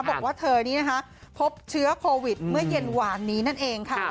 บอกว่าเธอนี้นะคะพบเชื้อโควิดเมื่อเย็นหวานนี้นั่นเองค่ะ